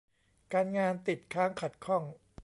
การงานติดค้างขัดข้อง